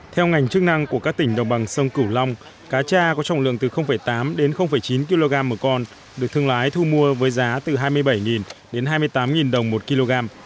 theo ngành chức năng của các tỉnh đồng bằng sông cửu long cá cha có trọng lượng từ tám đến chín kg một con được thương lái thu mua với giá từ hai mươi bảy đến hai mươi tám đồng một kg